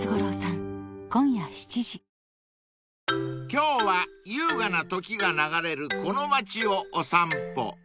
［今日は優雅な時が流れるこの街をお散歩］